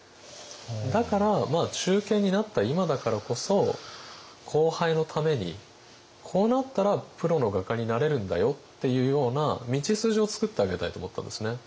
だから中堅になった今だからこそ後輩のためにこうなったらプロの画家になれるんだよっていうような道筋をつくってあげたいと思ったんですね。